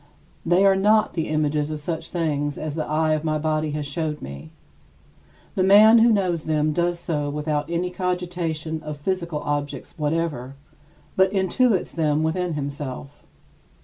They are not the images of such things as the eye of my body has showed me. The man who knows them does so without any cogitation of physical objects whatever, but intuits them within himself.